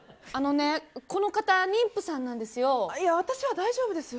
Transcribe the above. この方、妊婦さんなんですよ。